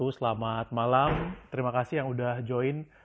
selamat malam terima kasih yang udah join